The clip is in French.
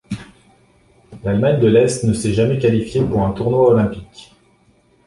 L'Allemagne de l'Est ne s'est jamais qualifiée pour un tournoi olympique.